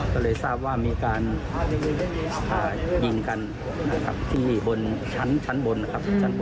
ก็เลยทราบว่ามีการหายยิงกันที่ชั้นบนของสรรค์